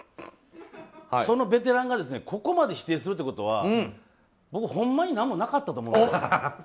そのベテランがここまで否定するってことは僕、ほんまに何もなかったんやと思います。